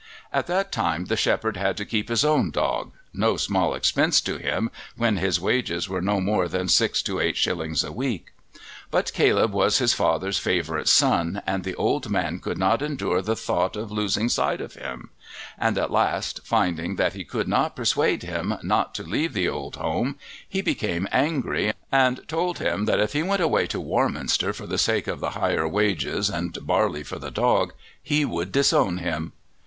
At that time the shepherd had to keep his own dog no small expense to him when his wages were no more than six to eight shillings a week. But Caleb was his father's favourite son, and the old man could not endure the thought of losing sight of him; and at last, finding that he could not persuade him not to leave the old home, he became angry, and told him that if he went away to Warminster for the sake of the higher wages and barley for the dog he would disown him!